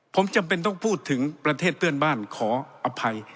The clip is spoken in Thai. ผมจำเป็นต้องพูดถึงประเทศเพื่อนบ้านขออภัย